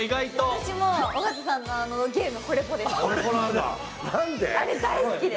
私も尾形さんのゲーム、大好きです。